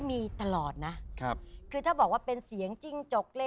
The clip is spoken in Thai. เมื่อกี้คือเสียง